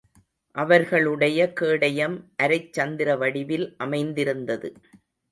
அவர்களுடைய கேடயம் அரைச் சந்திர வடிவில் அமைந்திருந்தது.